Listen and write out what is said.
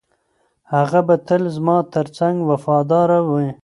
هغه به تل زما تر څنګ وفاداره وي.